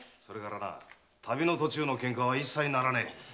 それから旅の途中の喧嘩は一切ならねえ。